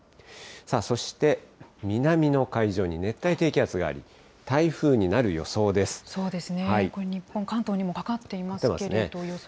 そして、南の海上に熱帯低気圧がそうですね、これ日本、関東にもかかっていますけれども、予想。